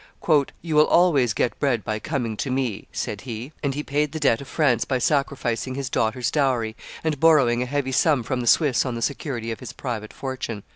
"You will always get bread by coming to me," said he; and he paid the debt of France by sacrificing his daughter's dowry and borrowing a heavy sum from the Swiss on the security of his private fortune.